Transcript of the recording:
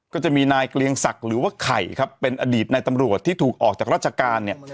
ก็จะมีนายเกลียงศักดิ์หรือว่าไข่ครับเป็นอดีตในตำรวจที่ถูกออกจากราชการเนี่ย